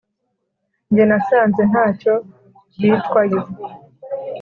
nge nasanze ntacyo bitwayo